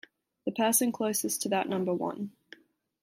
The person closest to that number won.